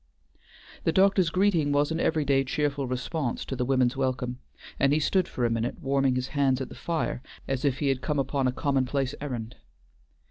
The doctor's greeting was an every day cheerful response to the women's welcome, and he stood for a minute warming his hands at the fire as if he had come upon a commonplace errand.